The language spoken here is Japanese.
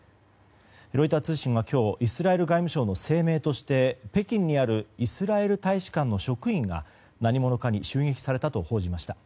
ロイター通信は今日イスラエル外務省の声明として北京にあるイスラエル大使館の職員が何者かに襲撃されたと報じました。